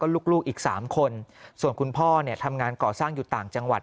ลูกอีก๓คนส่วนคุณพ่อเนี่ยทำงานก่อสร้างอยู่ต่างจังหวัด